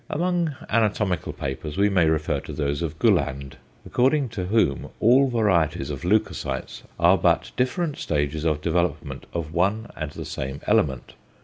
Among anatomical papers we may refer to those of Gulland, according to whom all varieties of leucocytes are but different stages of development of one and the same element.